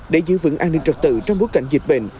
để giữ vững an ninh trật tự trong bối cảnh dịch bệnh